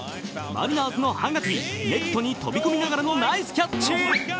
マリナーズのハガティ、ネットに飛び込みながらのナイスキャッチ。